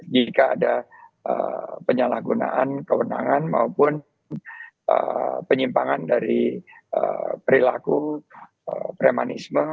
jika ada penyalahgunaan kewenangan maupun penyimpangan dari perilaku premanisme